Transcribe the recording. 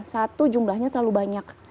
satu jumlahnya terlalu banyak